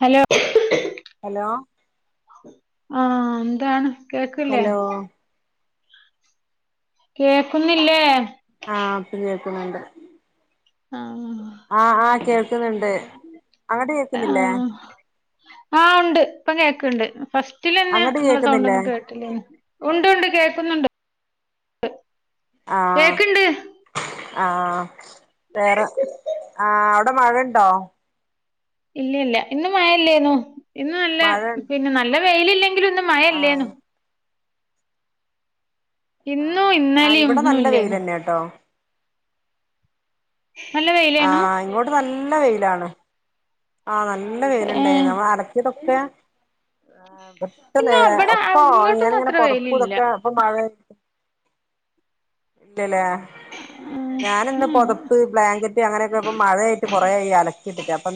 Hello hello ആ എന്താണ് കേക്കില്ലേ ഹലോ കേക്കുന്നില്ലേ ആ ഇപ്പൊ കേ ക്കിണ്ട് ആ ആ ആ കേൾക്കുന്നുണ്ട് അങ്ങട്ട് കേൾക്കുന്നില്ലേ ഇപ്പൊ കേൾക്കണ്ട് ഫസ്റ്റ് റ്റിലന്നെ ഇങ്ങള കേക്കുന്നില്ലേ സൗണ്ടൊന്നും കേട്ടില്ലേനു ഉണ്ട് ഉണ്ട് കേക്കുന്നുണ്ട് കേക്കിണ്ട് ആ വേറെ ആ അവടെ മഴ ഇണ്ടോ ഇല്ല ഇല്ല ഇന്ന് മഴ ഇല്ലേന്നു ഇന്ന് നല്ല മഴ പിന്നെ നല്ല വെയിലില്ലേ ഇവിടൊന്നും മഴ ഇല്ലേന്നു ആഹ് ആ ഇന്നും ആ ഇന്നലിം ഇവടെ ഒന്നും നല്ല ഇല്ലേന്നു വെയിലന്നെ ട്ടോ നല്ല വെയിലേന്നു ആഹ് ഇങ്ങോട്ട് നല്ല നല്ല വെയിലാണ് ആ നല്ല വെയിലുണ്ടായിന്ന് ഏഹ് നമ്മൾ അലക്കിയതൊ [unintelligible] ആ പട്ടന്ന ഇന്നാ ഇബടെ ഒക്കോ ഞാന ഇങ്ങോട്ടൊന്നും ഇങ്ങനെ അത്ര പൊതക്കു വെയിലില്ല ഇതൊക്കെ ഇപ്പൊ മഴ ഇല്ലല്ലേ ഞാന ഇന്ന് പുൊതപ്പ് ബ്ലാങ്കറ്റ് അങ്ങനെയൊക്കെ ഇപ്പ മഴയായിട്ട് കൊറ ആായി അലക്കിയിട്ടിട്ട് അപ്പൊാ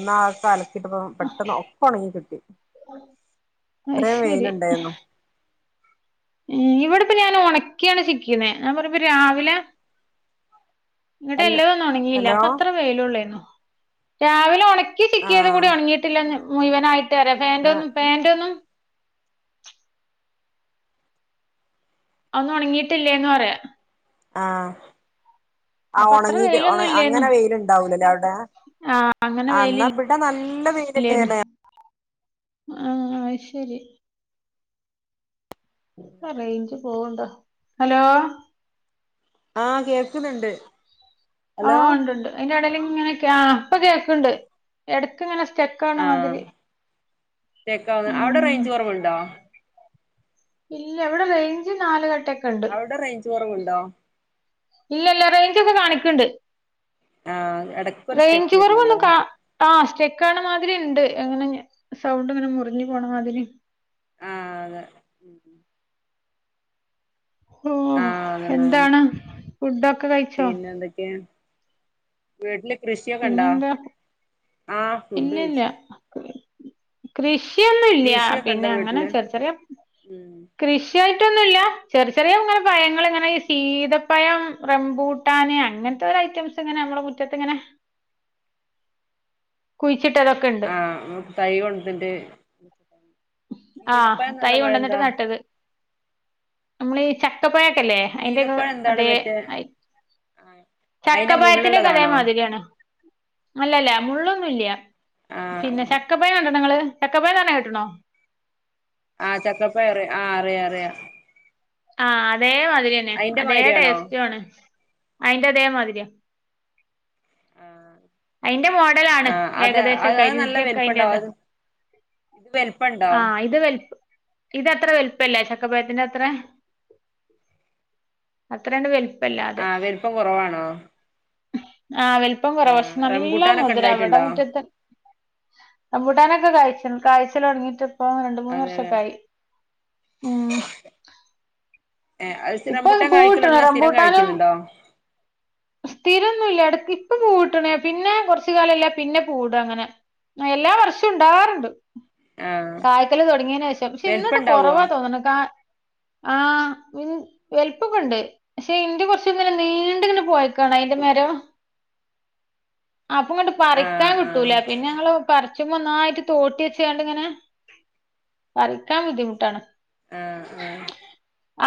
അലക്കിട്ട പെട്ടെന്ന് ഒപ്പ ഉണങ്ങി കിട്ടി അത്രയും വെയിലുണ്ടായിരുന്നു ഉ ഇവിടെപ്പ ഞാൻ ഉണക്കിയാണ് സിക്കുന്നേ ഞാൻ പറയ്പ രാവിലെ ഇങ്ങിട്ട അല്ല എല്ലാ ഒന്നും ഉണങ്ങിയില്ല ഹലോ അപ്പ അത്ര പേലള്ളന്നോ രാവിലെ [unintelligible] [unintelligible] ചിക്കിയത് കൂടി ആഹ് ഉണങ്ങിയിട്ടില്ലന്ന് മുഴുവന ആായിട്ട് പിന്നെ പാൻറന്നും പാൻറ്റെ ന്നും ഒന്നും ഉണങ്ങിട്ടില്ലേന്ന് പറയാ ആ ആ അപ്പൊ അത്ര ഉണങ്ങീട്ട് വെയിലൊന്നും ഇല്ലേന്നു അങ്ങനെ വെയിലുണ്ടാവലല്ലേ അവിടെ ആഹ് അങ്ങനെ എന്നാ ഇടെ നല്ല വെയില കേല ആ അ ശരി റേഞ്ച് പോവണ്ടോ ഹലോ ആകേൾക്കുന്നുണ്ട് ആ ഉണ്ട് എന്റെടും ആ അപ്പൊ കേക്കണ്ട് എടക്കക്ക്ങ്ങനെ ആ ചെക്ക ആവുന്നു അവിടെ ഉം റേഞ്ച് കുറവുണ്ടോ ഇല്ല എവിടെ റേഞ്ച് നാല അവിടെ റേഞ്ച് കുറവുണ്ടോ ഇല്ല ഇല്ല റേഞ്ച് ഒക്കെ കാണിക്കണ്ട് ആഹ് എടക്കൊരു റേ സ്റ്റെക്ക് ഞ്ച് വരുന്നുണ്ട് കുറവൊന്നും അതാ ക ആ ചെക്ക ആണ മാതിരി ഉണ്ട് എങ്ങനെ സൗണ്ട് ഇങ്ങനെ മുറിഞ്ഞു പോണമാതിരി ആഅതെ ഉ ഓ ആഹ് അതന്നെ അതന്നെ എന്താണ് ഫുഡൊക്കെ കഴിച്ചോ വേട്ടല് കൃഷിയൊക്കെ ഉണ്ടോ പിന്നെന്താ ആ ഫുഡ് കഴിച്ചു കൃഷ കൃഷി ഇ ന്നില്ല കൃഷിയൊക്കെ ഉണ്ടോ പിന്നെ അങ്ങനെ വീട്ടില് ചെറിച്ചെറിയാം ഉം കൃഷിയായിട്ട് റ്റൊന്നുമല്ല ചെറിയ ചെറിയ ഇങ്ങനെ പയങ്ങ ഇങ്ങനെഈ ശീതപ്പയം റംമ്പൂട്ടാന് അങ്ങനത്തെ ഒരു ഐറ്റംസ് ഇങ്ങനെ നമ്മടെ മുറ്റത്ത് ഇങ്ങനെ കുയ് ആഹ തൈ കൊണ്ടത്തിന്റെ അട്ട ആഹ തൈ കൊണ്ടന്നിട്ട് നട്ടത് നമ്മള ഈ ചക്കപ്പയ ല്ല അതിന്റെ സീതപ്പഴം എന്താണ് അതെ മറ്റേ ആഹ് അയിന്റെ ചക്കപായത്തിന്റെ കഥയ മുള്ളുള്ളതാണോ മാതിരിയാണ് അല്ലല്ല മുള്ളൊന്നുംല്ല ആഹ് പിന്നെ ആഹ് ചക്ക പയാണ് ങ്ങള് തക്ക പോയ തന്നെ കട്ടണോ ആഹ ചക്കപ്പറിയ ആ് അറിയ അറിയാ ആഹ അതേല്ല അതിരി തന്നെ അതേ മാതിരിയാണോ ടേസ്റ്റണ് അയിന്റെ അതേമാതിരിയ ആഹ് അതിന്റെ മോഡലാണ് ആഹ് അത് അത് ഏകദേശൊക്കെ അത് നല്ല രുചിയൊക്കെ വലിപ്പണ്ടാവും അതിറത അത് ഇത് വലിപ്പണ്ടോ ആ ഇത് വപ്പ ഇത്ത്ര വലുപ്പം പല്ലാ ചക്ക പയത്തിന്റെ അത്ര അത്രണ്ട് പേ ആഹ് വൽപ്പം കുറവാണോ? ആഹ് വൽപ്പം ആഹ് കുറവശം നല്ല റംബൂട്ടാനൊക്കെ മുധുര വെടെ ഉണ്ടായിട്ടുണ്ടോ മുറ്റത്ത് അ മ്പൂട്ടാനൊക്കെ കയ്ച്ൺ കായ്ച്ചലൊട്ങ്ങിട്ട് പ്പൊ രണ്ട് മൂന്ന് അതെല്ലേ വർഷക്കായി ഉം ഏ അഹ് സ്ഥി ഇപ്പൊ രെമ്പുട്ടാൻ പൂവ് ഇട്ട്ണ് കഴിക്കലൊട്ങ്ങ്യ സ്ഥിരം കഴിക്കുന്നുണ്ടോ? സ്ഥിരോന്നുല്ല എട ഇപ്പ പൂവിട്ട്ണേ പിന്നെ കൊർച് കാലംല്യ. പിന്നെ പൂവ്ടൊ അങ്ങനെ എല്ലാ വർഷു ണ്ടാവാറുണ്ട്. ആഹ് കായ്ക്കല് തൊടങ്ങിയേനേശം പക്ഷെ ഇന്നിട്ട് വലുപ്പണ്ടാവോ കുറവാ തോന്നണ് കാ ആ വെൽ വെൽപ്പൊക്കൊണ്ട് പക്ഷെ ഇന്റെ കൊർച്ച് ങ്ങനെ നീണ്ടിങ്ങനെ പോആ കാണ് അയിന്റെ മരോ അപ്പൊ ങ്ങട്ട് പറിക്കാൻ ആഹ് കിട്ടൂല. ആഹ് പിന്നെ ങ്ങള് കറ് ക്യുമ്മൊ ന്നായിട്ട് തോട്ടി വെച് കാണ്ട്ങ്ങനെ പറിക്കാൻ ബുദ്ധിമുട്ടാണ്.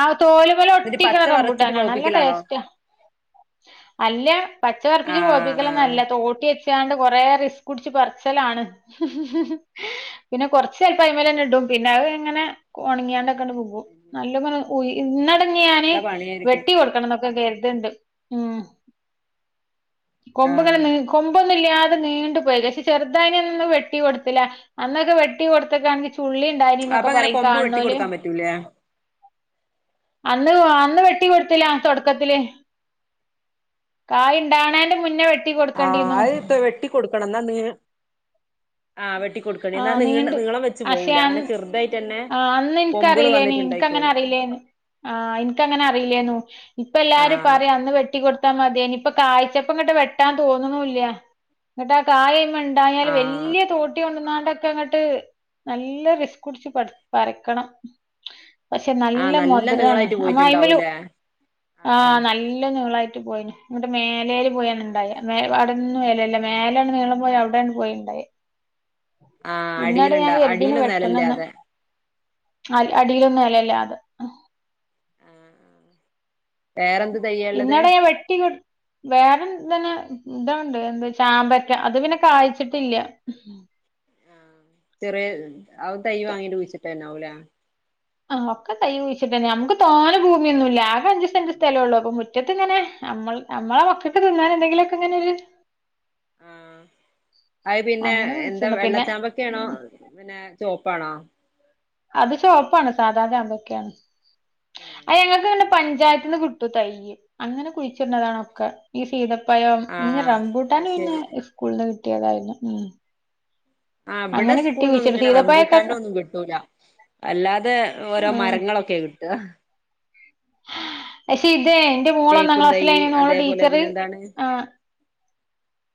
ആഹ് തോല് മെലെ എന്നിട്ട് ഒട്ടിക്ണ പച്ച വറച്ചിട്ട് റംമ്പൂട്ടാനാണ് നല്ല പൗപ്പിക്കലാണോ ടേസ്റ്റ. അല്ല പച്ച പറുപ്പിച്ച് ആഹ് ആഹ് പൊഹ്പ്പിക്കലൊന്നൊല്ല തോട്ടി ട്ട്യാണ്ട് കൊറേ റിസ് കുട്ച്ച് പർച്ചലാണ്. പിന്നെ കൊർച്ചയ്ട്ടയ്മലെന്നെ ഇടും പിന്നെ അ ഇങ്ങനെ ഉണങ്ങിയാണ്ടൊക്കെണ്ട് വികും. നല്ലപ നല്ല കുയ് ഇന്നടങ്ങി ഞാന് പണിയായിരിക്കും വെട്ടി കൊട്ക്കണം ന്നൊക്കെ ജാ ഇതുണ്ട് ഉം കൊമ്പ് ഇങ്ങനെ ആഹ് നീ കൊമ്പ് ല്ലാതെ നീണ്ടു പോയിക്ക ക്ഷെ ചെറുതായിനന്ന് വെട്ടി കൊടുത്തില അന്നൊക്കെ വെട്ടി കൊടുത്തക്കാണെങ്കി അപ്പൊ ഉള്ളിണ്ടായിന്നൊക്കെ അങ്ങനെ പറിം കൊമ്പ് വെട്ടി കാണോല് കൊടുക്കാൻ പറ്റൂലേ ആ അന്ന് അന്ന് വെട്ടി കൊടുത്തില തുടക്കത്തില് കായിണ്ടാണേന്റെ മുന്നേ വെട്ട് ആഹ്അഹ്പ്പ വെട്ടികൊടുക്കണം എന്നാ നീ ആ വെട്ടിക്കൊടുക്കണ്ടി എന്നാ ആഹ് നീണ്ട് നീളം വെച്ച് പോവൂല അങ്ങനെ ചെറുതായിട്ട ആ അന്ന് ഇൻക്കറീലേനി ഇൻക്കങ്ങനറീലേനി ആ ഇൻക്കങ്ങനെ അറീലേന്നു ഇപ്പ എല്ലാരും ആഹ് പറിം അന്ന് വെട്ടി കൊടുത് ത്താ മതീനി ഇപ്പം കായ്ച്ചപ്പം ഇങ്ങട്ട് വെട്ടാൻ തോന്നുണുല്ല്യ ന്നട്ട് ആ കായി ഉണ്ടായാല് ആഹ് വല്യയ തോട്ടി കൊണ്ടന്നാ ട്ടക്കങ്ങട്ട് നല്ല റിസ്ക്കുട് പട്‌ പറിക്കണം പക്ഷെ നല്ല ആഹ് മധുരാണ് നീളായിട്ട് അമയ്മലു പോയിട്ടുണ്ടാവൂലേ ആഹ ആഹ് നല്ല നീളായി പോയീണ് ന്നട്ട് മേലേല് പോയാണ് ണ്ടായെ മേലെ പാടെ ന്നും വെലല്ല മേലാണ് നീളം പോയ അവിടാണ് പോയിണ്ടാവും ആഹ് അടിയിലുണ്ട വെട്ടണംന്ന് അടിയിലൊന്നലല്ലാതെ അ അടിയിലൊന്നും അലല്ലാതെ ആഹ് വേറെന്ത് തയ്യാള്ളത് ഇന്നട ഞാൻ വെട്ടി കൊട്‌ വേറെൻ തന്നെ ഇതോണ്ട് എന്ത ചാമ്പക്ക അത് പിന്നെ കായ്ച്ചിട്ടില്ല ഉം ഉം തിറെയെ ഹ് അവും തൈ വാങ്ങിട്ട് കുഴിച്ചിട്ടന്നെ അൗല ആഹ് ഒക്കെ തൈ കുഴിച്ചിട്ടന്നെ നമ്മുക്ക് തോനെ ഭൂമിയൊന്നുല്ല ആകെ അഞ്ചു സെന്റ് സ്ഥലെ ഉള്ളു അപ്പൊ മുറ്റത്തിങ്ങനെ നമ്മൾ നമ്മളെ മക്കക്ക് തിന്നാനെന്തെങ്കിലുമൊക്കെ ഇങ്ങനെൊരു അഹ് പിന്നെ അങ്ങനെ എന്താ കുഴിച്ചിട്ടുണ്ട് പിന്നെ വെള്ളച്ചാമ്പൊക്കെയാണോ ഉം പിന്നെ ചോപ്പാണോ അത് ചോപ്പാണ് സാധാ ചാമ്പക്ക്യണ് അയ് ഞങ്ങക്ക് പഞ്ചായത്തിന്ന് കിട്ടും തയ്യ് അങ്ങനെ കുഴിച്ചിട്‌ണതാണൊക്കെ ഈ സീത പ്പഴം ഞ് ആഹ് അത് റംബൂട്ടാന് പിന്നെ ശരി സ്കൂളിന്ന് കിട് കിട്ടിയതായിരുന്നു ഉം ആ ഇബടെ അങ്ങനെ കിട്ടി സ്കൂൾന്നൊന്നും കുഴിച്ചിട്ട് ഇങ്ങനെ സീതപ്പഴൊക്കെ റംബൂട്ടാന്റോന്നും കിട്ടൂല അല്ലാതെ ഓരോ മരങ്ങളൊക്കെ കിട്ട അ [inaudible] ശരി തെ എന്റെ മോള് ഒന്നാം തേക്കും തൈ ക്ലാസ്സിലായീനന്ന് ഓളെ അതേപോലെ ടീച്ചറ് പിന്നെന്താണ് ആ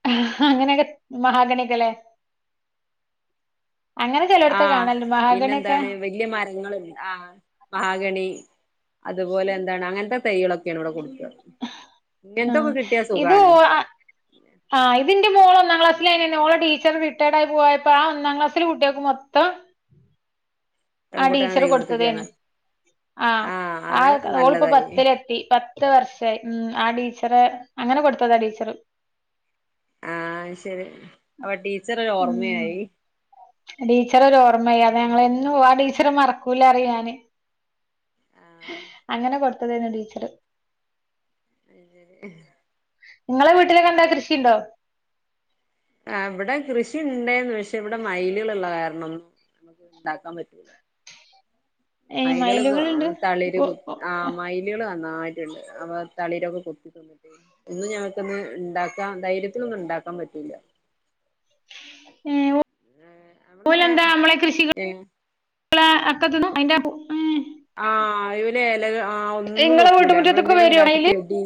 അ അങ്ങനെയൊക്കെ മഹാഗണിയൊക്കെ ലെ അങ്ങനെ ചെലോട്ത്ത് ആഹ് കാണല്ണ്ട് പിന്നെന്താണ് വല്ല്യമരങ്ങള് ആ മഹാഗണി അതുപോലെ എന്താണ് അങ്ങനത്തെ തൈകളൊക്കെയാണ് ഇവിടെ കൊടുക്ക ആ ഇത് സുഖാണ് ഒ അ ഇതിന്റെ മോള ഒന്നാം ക്ലാസ്സിലായ്നന്ന് ഓളെ ടീച്ചർ റിട്ടയർഡ്ആയി പോയപ്പോ ആ ഒന്നാം ക്ലാസിൽ കുട്ടിയേക്കും മൊത്തം ആ റംബൂട്ടാൻ ടീച്ചർ തൈ കൊടുത്തതേനു കൊടുത്ത്ക്കാണ് ആ ആഹ് ആ അങ്ങനെ അ ഓളിപ്പോ നല്ലതായി പത്തിലെത്തി പത്ത് വർഷായി ഉം ആടീ ച്ചറെ അങ്ങനെ കൊടുത്തതാ ടീച്ചറ് ആ ശരി അപ്പൊ ടീച്ചറൊരു ഓർമ്മയായി ടീച്ചറൊരോർമ്മയ അത് ഞങ്ങൾ എന്നും ആ ടീച്ചറ് മറക്കൂല അറിയും ഞാന് അങ്ങനെ കൊടു ത്തതേനു ടീച്ചറ് [unintelligible] നിങ്ങളെ വീട്ടിലൊക്കെന്താ കൃഷിണ്ടോ? ആ ഇവിടെ കൃഷി ഇണ്ടെന്നു പക്ഷെ ക്ഷെ ഇവിടെ മൈല്കള്ള്ള കാരണം നമുക്ക് ഉണ്ടാക്കാൻ പറ്റൂല ഏഹ് മൈലുകള് കു മയിലുകളുണ്ട് തളിര് ഒ കുത്ത ഒ ആ മെയിലുകള് അ നന്നായിട്ടുണ്ട് അവ തളിരൊക്കെ കൊത്തിതിന്നിട്ട് ഒന്നും ഞമക്കൊന്ന് ഉണ്ടാക്കാ ധൈര്യത്തിലൊന്നും ഉണ്ടാക്കാൻ പറ്റൂല്ല ഏ [unintelligible] നമ്മളിങ്ങനെ ഓലെന്താ നമ്മളെ കൃഷികൾ ഏഹ് [unintelligible] അക്കന്ന [unintelligible] അന്റെ ആ പൂ ആഹ് ഇവന് ഏലക ആഹ് ഒന്നും ഇങ്ങളെ വെക്കൂല വീട്ടുമുറ്റത്ത്ക്ക് നമ്മളെന്തെങ്കലും വരോ ഉണ്ടാക്കി മയില് ചെടി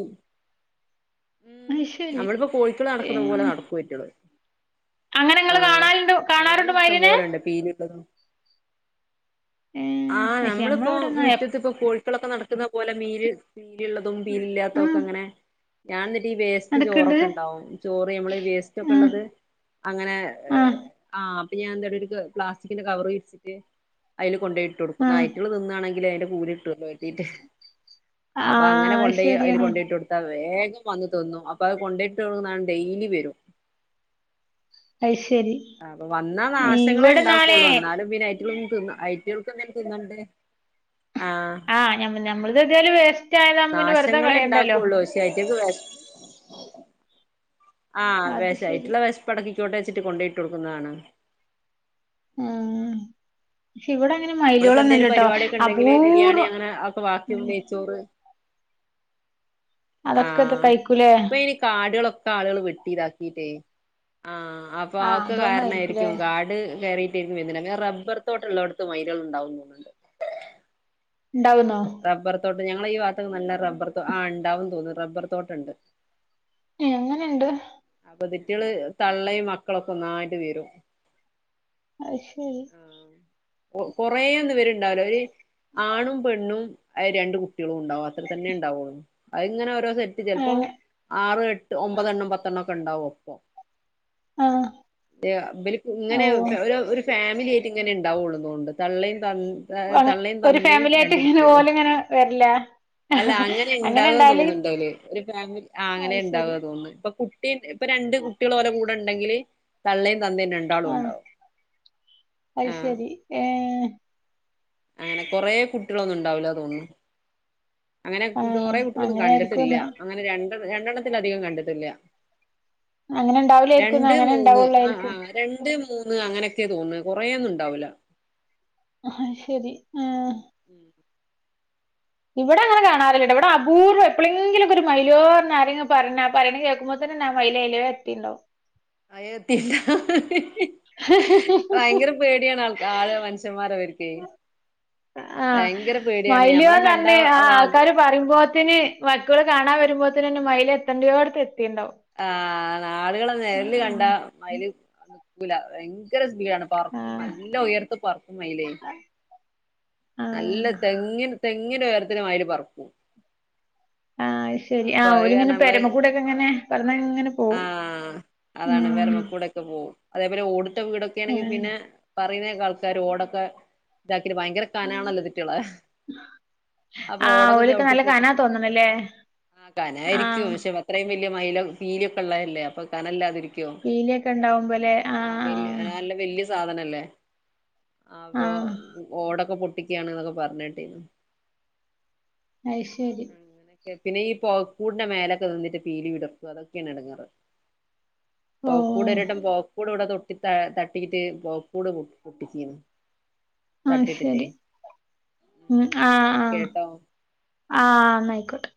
ഉം അയ് ശരി നമ്മളിപ്പോ കോഴിക്കൾ നടക്ക്ന്ന പോലെ ഏഹ് നടക്കും അയിറ്റേള് അങ്ങനെ ആ ഇങ്ങള് കാണാലുണ്ട് കാണാറുണ്ട് മൈലാള് ഇഷ്ടം മയിലിനെ പോലെണ്ട് പീലിള്ളതും ഏഹ് [unintelligible] ക്ഷ നമ്മള മുറ്റത്ത്‌പ്പോ കോഴിക്കളൊക്കെ ന നടക്കുന്ന പോലെ മീര് പീലിള്ളതും പീലില്ലാത്തതും ഉം ഒക്കെ അങ്ങനെ ഞാനി- ഈവേസ്റ്റ് നടക്ക്ണ്ട് ചോറൊക്കെ ഉണ്ടാവും ചോറ് നമ്മൾ വേസ്റ്റ് ഒക്കെ ഉം ഉള്ളത് അങ്ങനെ ആഹ് ആഹ് ഞാൻ എന്താട്ടി ഒരു പ്ലാസ്റ്റിക്കിന്റെ കവർ വിരിച്ചിട്ട് അയിൽ കൊണ്ടേ ഇട്ടൊടുക്കും ന്നാ ആഹ് ആഹ് അയ്റ്റേള് തിന്നാ- ന്നെങ്കിലെ അയിന്റെ കൂലി കിട്ടൊള്ളൂ കര്തീട്ട് അപ്പൊ അങ്ങനെ അത് കൊണ്ടയി അയിൽ ശരിയാണ് കൊണ്ടയ്ട്ടൊട്ത്താ വേഗ- വന്നു തിന്നും അപ്പൊ അത് കൊണ്ടട്ട് ന്നാഡെയിലി വരും അത് ശരി ആ അപ്പ വന്ന നാശങ്ങളെ ഇവിടെന്നാലേ ഉണ്ടാക്കുള്ളൂ എന്നാലും പിന്നെ ഐറ്റങ്ങളും തി ഐറ്റ ഐറ്റ ന്നണ്ട് ആഹഞ നഞമ്മള് [unintelligible] നാശങ്ങളെ ഉണ്ടാക്കുള്ളൂ പക്ഷെ അതിന്റ അകത്തെ വെഷ [unintelligible] ആഹ് അത് ശരി വിശായിട്ടുള്ള വിശപ്പടക്കി ഇത് ചോട്ടച്ചിട്ട് കൊണ്ടോട്ട കൊടുക്കുന്നതാണ് ഉം ആഹ നമ്മളിപ്പോ എന്തേിലും പരിപാടിക്കെ ഉണ്ടെങ്കില് ബിരിയാണി അപൂർവം അങ്ങനെ ഒക്കെ വാക്കി ഉം നെയ്ച്ചോറ് അതൊക്കെ ഇത് ആഹ കഴിക്കൂലേ ഇപ്പൊ ഇനി കാടുകളൊക്കെ ആളുകൾ വെട്ടി ഇതാക്കീട്ടേ ആഹ അപ്പൊ ആഹ് അവക്കെ അതുകൊണ്ടായിരിക്കൂലേ കാരണായിരിക്കും കാട് കയറി വന് റബ്ബർ തോട്ടുള്ളള്ള ഇടത്തും മയലുകൾ ഉണ്ടാവുന്നന്നുന്നുണ്ട് ഉണ്ടാവുന്നോ റബ്ബർ തോട്ട് ഞങ്ങ ഈ വാത്തക്ക് നല്ല റബ്ബർ ആ ഉണ്ടാവും തോന്നുന്നു റബ്ബർ തോട്ടുണ്ട് ഏഹ് അങ്ങനെണ്ട് അവധി കുട്ടികള് തള്ളയും മക്കളൊക്കെ ഒന്നായിട്ട് വീരും അത് ശരി [unintelligible] കൊറേ ഒന്നും പര്ണ്ടാവില്ല ഒരുര് ആണും പെണ്ണും രണ്ടണ്ട് കുട്ടികളും ഉണ്ടാവും അത്ര തന്നെ ഉണ്ടാവുള്ളു അത് ഇങ്ങനെ ഓരോ ചിലപ്പോ അങ്ങനെ ആറ് എട്ട് ഒമ്പതെണ്ണം പത്തെണ്ണം മോക്കെ ഉണ്ടാവുമോ കുപ്പ ആഹ് ഇങ്ങനെ ഓഹ് ഒരു ഫാൻ ഫ ആയി് ഇങ്ങനെ ഉണ്ടാവുകുള്ളള്ളത കൊണ്ട് തള്ള അങ്ങ് തള്ളയും ഒരു തന്തയും ഫാമിലി ആയിട്ട് രണ്ട ഇങ്ങനെ കുട്ടും ഓലിങ്ങനെ വരില്ലേ അല്ല അങ്ങനെ ഉണ്ടാവുകന്ന് തോന്നുന്നുണ്ടല് ഒരു ഫാമിലി ആ അങ്ങനെ അത് ശരി ഉണ്ടാവുക തോന്നുന്നു ഇപ്പൊ കുട്ടി ഇപ്പൊ രണ്ട് കുട്ടികൾ പോലെ കൂടെ ഉണ്ടെങ്കില് തള്ളേം തദ്ദേ രണ്ടാളും ഉണ്ടാവും അയ് ആ ശരി ഏ അങ്ങനെ കൊറെ കുട്ടികളൊന്നു ണ്ടാവൂല തോന്നുന്ന് അങ്ങനെ കുട് ആഹ് കൊറെ കുട്ട്യാളൊന്നും അങ്ങനെ കണ്ടിട്ടില്ല ആയിരിക്കുംന്ന് അങ്ങനെ രണ്ട് രണ്ടണ്ണത്തിലധികം കണ്ടിട്ടില്ല അങ്ങനെ ഇണ്ടാവൂലേരിക്കും ന്ന രണ്ട് അങ്ങനെ ഇണ്ടാവുള്ളേരിക്കും ന്ന് അങ്ങനെയൊക്കെ തോന്നന്ന് കൊറെേയൊന്നും ഇണ്ടാവൂല ആ ശെരി ഉം ഇവിടെ അങ്ങനെ കാണാറിട്ടോ ഇവിടെ അപൂർവം എപ്പോഴെങ്കിലും ഒരു മൈലോന്ന് ആരെങ്കിലുപറഞ്ഞ പറയ കേൾക്കുമ്പോ തന്നെ മൈലയില എത്തിണ്ടാവു അയത്തില്ല ഹ് ഹ് ഹ് ഹ് ഭയങ്കര പേടിയാണ് ആൾ ആളെ മനുഷ്യന്മാരെ ഓല്ക്കെ ആ ഭയങ്കര പേടിയാണ് ഞമ്മളെ കണ്ട അ ത്തിന് മക്കൾ കാണാൻ വരുമ്പോത്ത്നെന്നെ മയിൽ എത്തൻഡിയോട്ത്ത് എ ആ ആളാളെ നെയല് കണ്ട ഉം. മയില് ക്കൂല ഭയങ്കര സ് ആ [unintelligible] നല്ല ഉയർത്ത് പറക്കുമ്മയിലേ ആ നല്ല തെങ്ങിൻ ത ങ്ങിന്റെ ഒയരത്തിന് മയില് പറക്കും ആ അത് ശരി ആ അപ്പൊ അത് കാരണം ഓലിങ്ങനെ നമ്മള് പെരമ കൂടെയൊക്കെ ഇങ്ങനെ പറഞ്ഞ ഇങ്ങനെ ആ പോവും അതാണ് ഉം. പെരമക്കൂടൊക്കെ പോകും അതേപോലെ ഓടിട്ട ആ. വീടൊക്കേണെങ്കിൽ പിന്നെ പറയ്ണെക്കാ ആൾക്കാർ ഓട [unintelligible] ഭയങ്കര കനാണല്ലോ ഇതിറ്റാളെ അപ്പൊ ആ ഓടൊക്കെ ഓലൊക്കെ ചവിട്ടി നല്ല കന പൊട്ടിച്ചിട്ട് തോന്നണല്ലേ ആ ആ കനായിരിക്കും പക്ഷെ അത്രയും വലി [unintelligible] മയിലും പീലി ഒക്കെ ഉള്ളതല്ലെ അപ്പൊ കനല്ലാതിരി പീലിഒക്കെ ഇണ്ടാവുമ്പോ ലെ ആ ആ അല്ലേ ആ അപ്പൊ ഓടൊക്കെ പൊട്ട ക്കാണ് ന്നൊക്കെ പറഞേട്ടിന്ന് അയ് ശെരി [inaudible] പിന്നെ ഈ പൊകക്കൂടിന്റെ മേലൊക്കെ നിന്നിട്ട് പീലി വിടർത്തും അതൊക്കെണ് ഇടെങ്ങാറ് ഓ പൊകക്കൂട് രണ്ടും പൊകക്കൂട് ഇവിട തൊ തി ത തട്ടിറ്റ് പൊകക്കൂട് പോ പൊട്ടിച്ചീന്നു ആ തട്ടിട്ടിട്ടേ ശെരി ഉം ആ എന്നാ ആ ഓക്കേട്ടോ ആ ന്നായിക്കോട്ടെ